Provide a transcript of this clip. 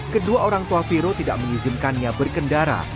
kedua orang tua viro tidak mengizinkannya berkendara